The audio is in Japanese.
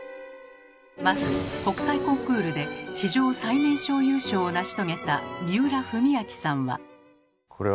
まず国際コンクールで史上最年少優勝を成し遂げた三浦文彰さんは。